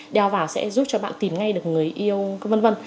đeo vào sẽ giúp cho bạn tìm ngay được người yêu vân vân